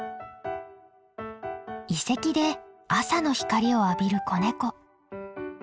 遺跡で朝の光を浴びる子ネコ。